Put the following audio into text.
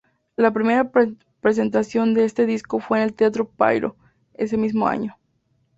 La primera presentación de este disco fue en el Teatro Payró ese mismo año.